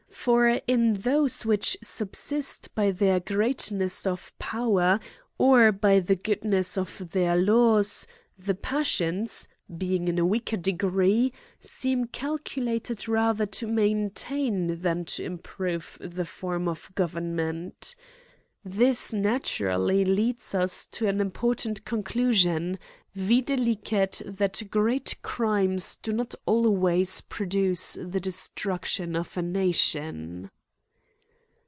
For in those which subsist by their great ness or power, or by the goodness of their laws, the passions, being in a weaker degree, seem cal CHIMES AND PUNISHMENTS. 117 culated rather to maintain than to improve the form of government. This naturally leadb us to an important conclusion, viz. that great crimes do not always produce the destruction of a nation.